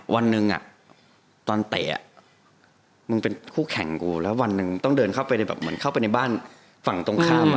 วันหนึ่งตอนเตะมึงเป็นคู่แข่งกูแล้ววันหนึ่งต้องเดินเข้าไปแบบเหมือนเข้าไปในบ้านฝั่งตรงข้าม